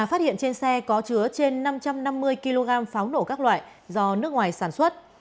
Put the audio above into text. phát hiện trên xe có chứa trên năm trăm năm mươi kg pháo nổ các loại do nước ngoài sản xuất